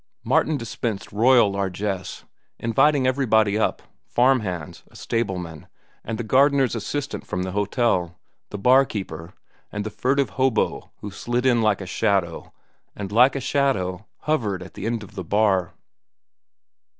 Martin dispensed royal largess, inviting everybody up, farm hands, a stableman, and the gardener's assistant from the hotel, the barkeeper, and the furtive hobo who slid in like a shadow and like a shadow hovered at the end of the bar.